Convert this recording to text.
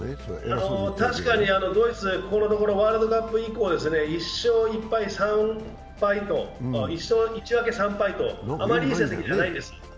確かにドイツここのところワールドカップ以降、１勝１分け３敗とあまりいい成績じゃないんですね